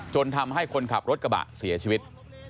ทำให้คนขับรถกระบะเสียชีวิต